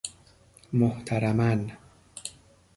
محترما ً